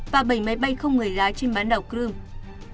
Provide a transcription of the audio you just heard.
và bảy máy bay không người lái trên bán đảo crimea